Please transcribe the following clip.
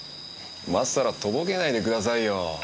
今さらとぼけないでくださいよ。